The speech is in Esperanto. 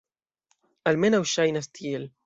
Almenaŭ ŝajnas tiel.